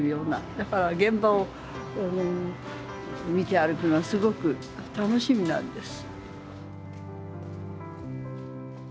だから現場を見て歩くのはすごく楽しみなんです。